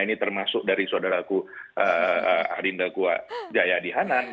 ini termasuk dari saudaraku arinda kua jaya dihanan